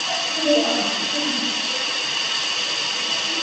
基础生态位是物种能够持续存在的一系列环境条件。